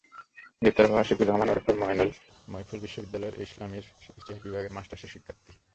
গ্রেপ্তার হওয়া আশিকুর রহমান ওরফে মইফুল বিশ্ববিদ্যালয়ের ইসলামের ইতিহাস বিভাগের মাস্টার্সের শিক্ষার্থী।